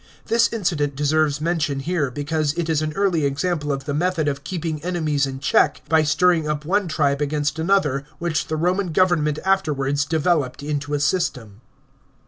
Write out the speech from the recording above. This incident deserves mention here because it is an early example of the method of keeping enemies in check by stirring up one tribe against another which the Roman government afterwards developed into a system.